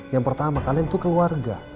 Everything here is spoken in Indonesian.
yang pertama kalian itu keluarga